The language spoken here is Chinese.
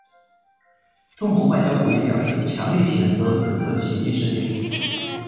中国外交部也表示强烈谴责此次袭击事件。